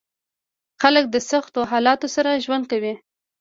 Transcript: خلک د سختو حالاتو سره ژوند کوي.